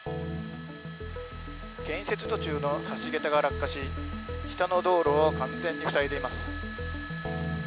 建設途中の橋桁が落下し、下の道路を完全に塞いでいます。